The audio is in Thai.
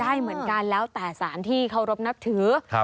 ใช่เหมือนกันแล้วแต่สารที่เคารพนับถือ